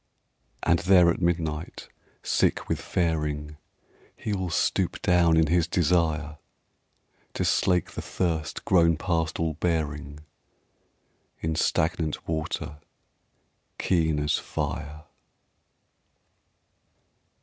And there at midnight sick with faring, He will stoop down in his desire To slake the thirst grown past all bearing In stagnant water keen as fire.